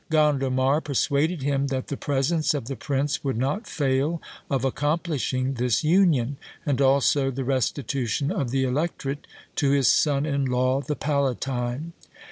Gondomar persuaded him that the presence of the prince would not fail of accomplishing this union, and also the restitution of the electorate to his son in law the palatine.